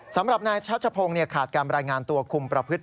สำหรับนายชัชพงศ์ขาดการรายงานตัวคุมประพฤติ